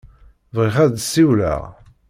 Bɣiɣ ad d-ssiwleɣ.